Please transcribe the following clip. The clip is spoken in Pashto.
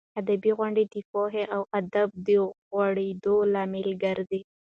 ادبي غونډې د پوهې او ادب د غوړېدو لامل ګرځي.